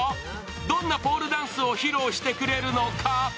どんなポールダンスを披露してくれるのか。